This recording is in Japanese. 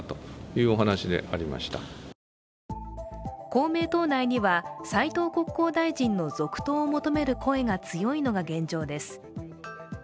公明党内には斉藤国交大臣の続投を求める声が強いのが現状です。